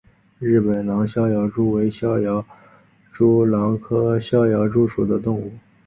日本狼逍遥蛛为逍遥蛛科狼逍遥蛛属的动物。